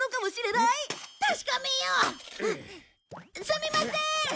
すみません！